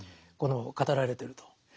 この語られてると。